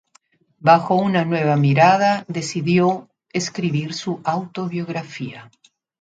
Bajo una nueva mirada, decidió escribir su autobiografía.